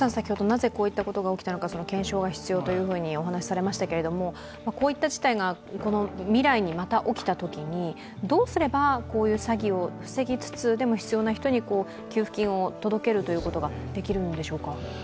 なぜこういったことが起きたのか検証が必要だとお話しされましたがこういった事態が未来にまた起きたときにどうすれば、こういう詐欺を防ぎつつ、でも必要な人に給付金を届けることができるんでしょうか。